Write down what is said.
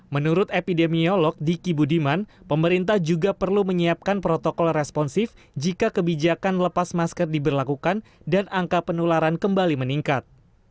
menurut epidemiolog diki budiman pemerintah juga perlu menyiapkan protokol responsif jika kebijakan lepas masker diberlakukan dan angka penularan kembali meningkat